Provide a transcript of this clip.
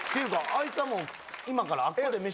あいつはもう今から。